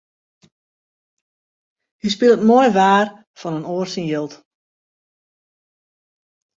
Hy spilet moai waar fan in oar syn jild.